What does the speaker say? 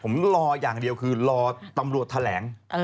ผมรออย่างเดียวคือรอตำรวจแถลง